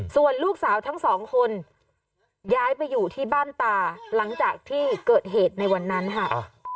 ส่วนลูกสาวทั้งสองคนย้ายไปอยู่ที่บ้านตาหลังจากที่เกิดเหตุในวันนั้นค่ะ